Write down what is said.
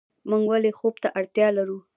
موږ ولې خوب ته اړتیا لرو